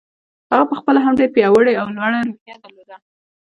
هغه په خپله هم ډېره پياوړې او لوړه روحيه درلوده.